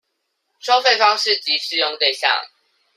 收費方式及適用對象